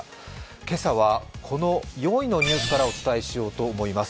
今朝はこの４位のニュースからお伝えしようと思います。